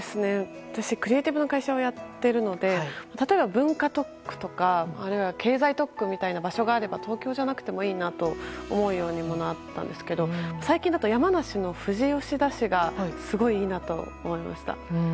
私、クリエーティブの会社をやっているので例えば文化特区とかあるいは経済特区みたいな場所があれば東京じゃなくてもいいなと思うようになったんですけど最近だと山梨の富士吉田市がすごいいいなと思いました。